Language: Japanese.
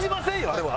あれは。